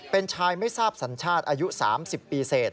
เป็นชายไม่ทราบสัญชาติอายุ๓๐ปีเศษ